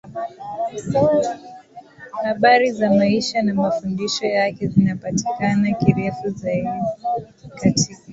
Habari za maisha na mafundisho yake zinapatikana kirefu zaidi katika